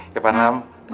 iya pan alam